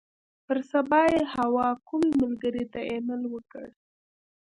پر سبا یې حوا کومې ملګرې ته ایمیل وکړ.